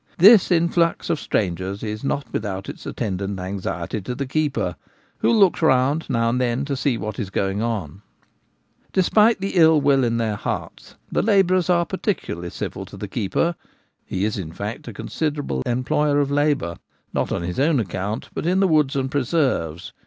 This influx of strangers is not without its attendant anxiety to the keeper, who looks round now and then to see what is going on. Despite the ill will in their hearts, the labourers are particularly civil to the keeper; he is, in fact, a considerable employer of labour — not on his own N 2 1 80 The Gamekeeper at Home. account — but in the woods and preserves.